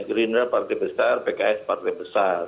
gerindra partai besar pks partai besar